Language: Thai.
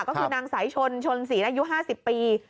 ก็คือนางสายชนชนศรีอายุ๕๐ปี